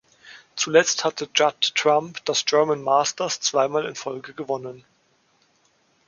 Zuletzt hatte Judd Trump das German Masters zweimal in Folge gewonnen.